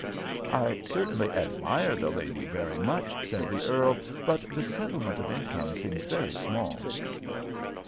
"I certainly admire the lady very much," said the earl; "but the settlement of income seems very small."